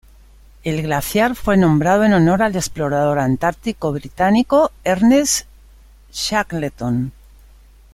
El glaciar fue nombrado en honor al explorador antártico británico Ernest Shackleton.